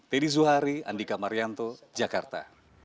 teddy zuhari andika marianto jakarta